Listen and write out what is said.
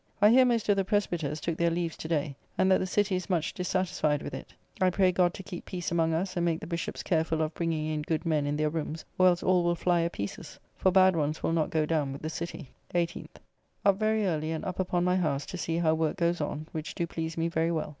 I hear most of the Presbyters took their leaves to day, and that the City is much dissatisfied with it. I pray God keep peace among us, and make the Bishops careful of bringing in good men in their rooms, or else all will fly a pieces; for bad ones will not [go] down with the City. 18th. Up very early, and up upon my house to see how work goes on, which do please me very well.